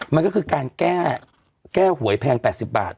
มันก็คือการแก้หวยแพง๘๐บาท